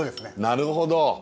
なるほど。